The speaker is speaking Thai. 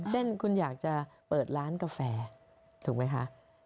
เช่นคุณอยากจะเปิดร้านกาแฟถูกไหมคะ